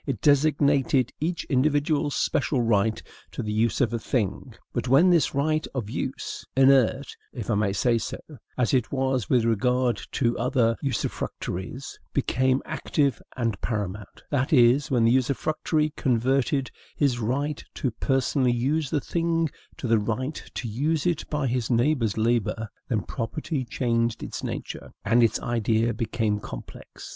It designated each individual's special right to the use of a thing. But when this right of use, inert (if I may say so) as it was with regard to the other usufructuaries, became active and paramount, that is, when the usufructuary converted his right to personally use the thing into the right to use it by his neighbor's labor, then property changed its nature, and its idea became complex.